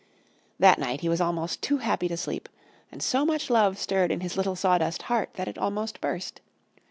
That night he was almost too happy to sleep, and so much love stirred in his little sawdust heart that it almost burst.